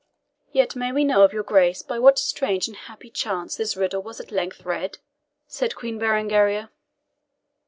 "Yet, may we know of your Grace by what strange and happy chance this riddle was at length read?" said the Queen Berengaria.